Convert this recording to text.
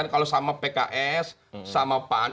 kalau sama pks sama pan